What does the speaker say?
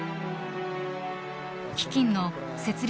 基金の設立